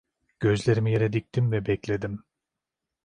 Gözlerimi yere diktim ve bekledim.